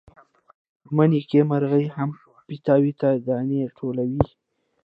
په مني کې مرغۍ هم پیتاوي ته دانې ټولوي.